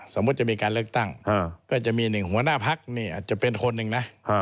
สมมุติจะมีการเลือกตั้งก็จะมีหนึ่งหัวหน้าพักนี่อาจจะเป็นคนหนึ่งนะ